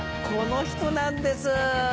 この人なんです。